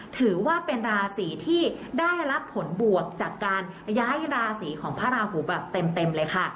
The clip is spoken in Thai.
ถือว่าเป็นราศีที่ได้รับผลบวกจากการย้ายราศีของพระราหูแบบเต็มเลยค่ะ